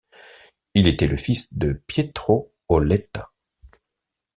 Il était le fils de Pietro Auletta.